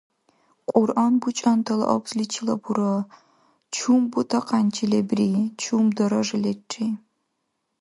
Кьуръан бучӏантала абзличила бура: чум бутӏакьянчи лебри, чум даража лерри?